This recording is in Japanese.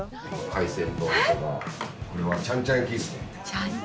海鮮丼とか、これはちゃんちゃん焼きですね。